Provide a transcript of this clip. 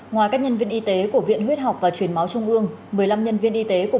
ngoài các nhân viên y tế của viện huyết học và truyền máu trung ương một mươi năm nhân viên y tế